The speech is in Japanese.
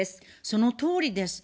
そのとおりです。